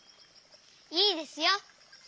いいですよ。